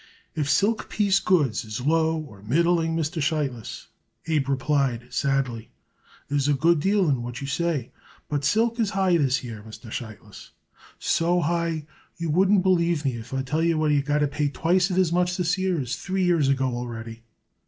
"If silk piece goods is low or middling, Mr. Sheitlis," Abe replied sadly, "there is a good deal in what you say. But silk is high this year, Mr. Sheitlis, so high you wouldn't believe me if I tell you we got to pay twicet as much this year as three years ago already."